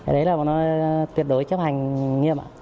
đấy là một nơi tuyệt đối chấp hành nghiêm ạ